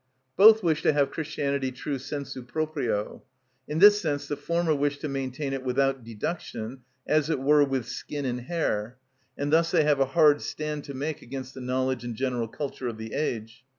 Both wish to have Christianity true sensu proprio; in this sense the former wish to maintain it without deduction, as it were with skin and hair; and thus they have a hard stand to make against the knowledge and general culture of the age.